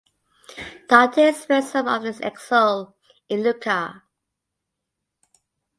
Dante spent some of his exile in Lucca.